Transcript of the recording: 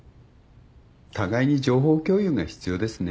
互いに情報共有が必要ですね。